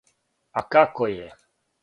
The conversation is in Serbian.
А како је?